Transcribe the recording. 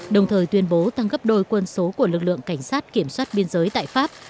đồng thời tuyên bố tăng gấp đôi quân số của lực lượng cảnh sát kiểm soát biên giới tại pháp